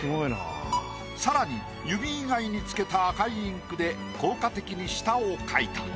更に指以外に付けた赤いインクで効果的に舌を描いた。